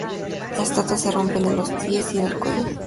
La estatua se rompe en los pies y en el cuello.